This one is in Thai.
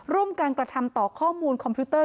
ร่วมการกระทำต่อข้อมูลคอมพิวเตอร์